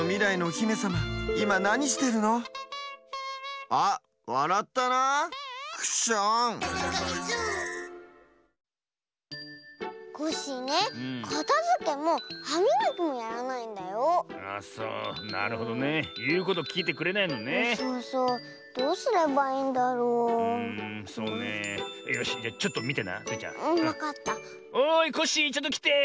おいコッシーちょっときて。